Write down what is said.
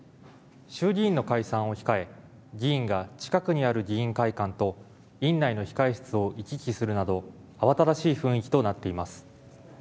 衆議院の解散を控え議員が近くにある議員会館と院内の控え室を行き来するなど慌ただしい雰囲気となっています。